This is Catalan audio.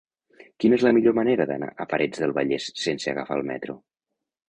Quina és la millor manera d'anar a Parets del Vallès sense agafar el metro?